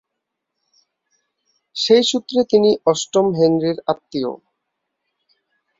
সেই সূত্রে তিনি অষ্টম হেনরির আত্মীয়।